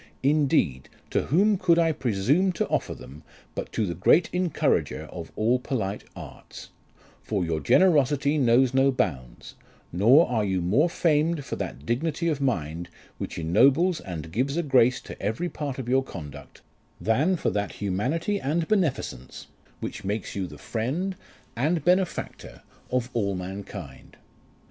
Indeed, to whom could I presume to offer them, but to the great encourager of all polite arts ; for your generosity knows no bounds ; nor are you more famed for that dignity of mind, which ennobles and gives a grace to every part of your conduct, than for that humanity and beneficence which makes you the friend and 92 LIFE OF RICHARD NASH. benefactor of all mankind.